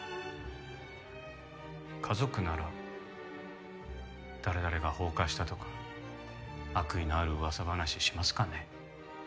家族なら「誰々が放火した」とか悪意のある噂話しますかね？